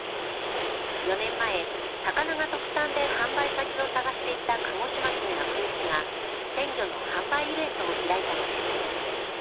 ４年前、魚が特産で販売先を探していた鹿児島県阿久根市が鮮魚の販売イベントを開いたのです。